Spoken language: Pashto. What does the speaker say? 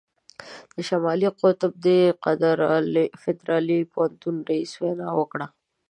د شمالي قطب د فدرالي پوهنتون رييس وینا وکړه.